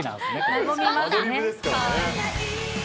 和みますね。